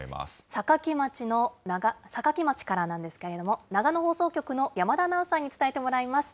坂城町からなんですけれども、長野放送局の山田アナウンサーに伝えてもらいます。